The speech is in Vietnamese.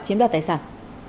chiếm đoạt tài sản